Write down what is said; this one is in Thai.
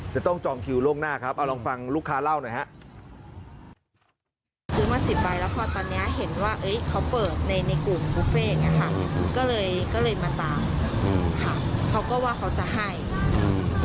จะต้องจองคิวล่วงหน้าครับเอาลองฟังลูกค้าเล่าหน่อยฮะ